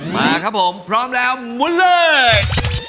มาครับผมพร้อมแล้วมุนเลย